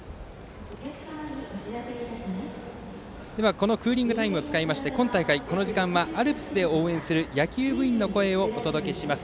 このクーリングタイムを使って今大会、この時間はアルプスで応援する野球部員の声をお届けします。